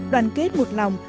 đoàn kết một lòng